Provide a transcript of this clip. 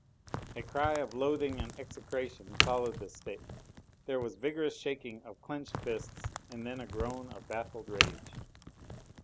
A cry of loathing and execration followed this statement. There was vigorous shaking of clenched fists and then a groan of baffled rage.